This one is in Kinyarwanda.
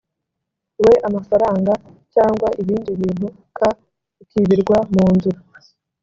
we amafaranga cyangwa ibindi bintu k bikibirwa mu nzu